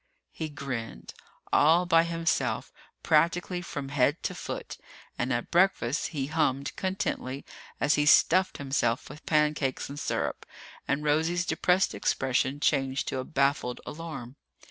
He grinned, all by himself, practically from head to foot. And at breakfast, he hummed contentedly as he stuffed himself with pancakes and syrup, and Rosie's depressed expression changed to a baffled alarm.